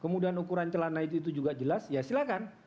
kemudian ukuran celana itu juga jelas ya silahkan